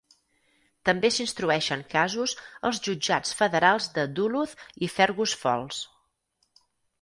També s'instrueixen casos als jutjats federals de Duluth i Fergus Falls.